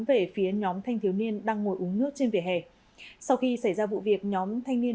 về phía nhóm thanh thiếu niên đang ngồi uống nước trên vỉa hè sau khi xảy ra vụ việc nhóm thanh niên